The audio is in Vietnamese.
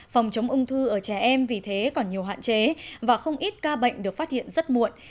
phòng chống ung thư ở trẻ em vì thế còn nhiều hạn chế và không ít ca bệnh được phát hiện rất muộn